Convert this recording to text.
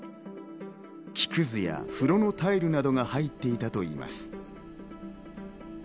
木くずや風呂のタイルなどが入っていたといいます。